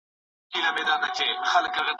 هغه نجلۍ په خپل کوټې کي بېدېدله.